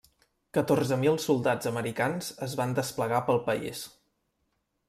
Catorze mil soldats americans es van desplegar pel país.